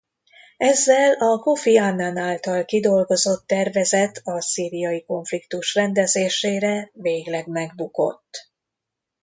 Ezzel a Kofi Annan által kidolgozott tervezet a szíriai konfliktus rendezésére végleg megbukott.